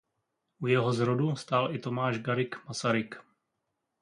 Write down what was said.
U jeho zrodu stál i Tomáš Garrigue Masaryk.